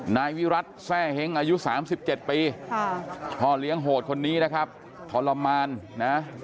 นายวิรัติแซ่เฮ้งอายุ๓๗ปีพ่อเลี้ยงโหดคนนี้นะครับทรมานนะ